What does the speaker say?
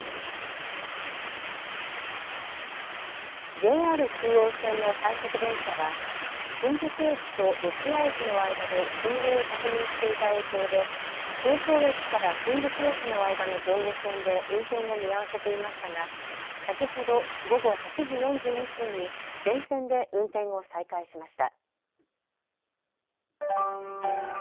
ＪＲ中央線の快速電車は新宿駅と四ツ谷駅の間で信号を確認していた影響で東京駅から新宿駅の間の上下線で運転を見合わせていましたが先ほど午後８時４２分に全線で運転を再開しました。